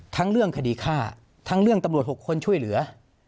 ทั้งเรื่องคดีฆ่าทั้งเรื่องตำรวจ๖คนช่วยเหลือ